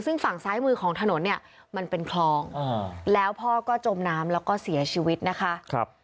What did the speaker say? ซึ่งฝั่งซ้ายมือของถนนเนี่ยมันเป็นคลองแล้วพ่อก็จมน้ำแล้วก็เสียชีวิตนะคะ